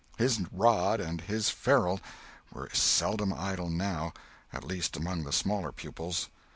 His rod and his ferule were seldom idle now—at least among the smaller pupils.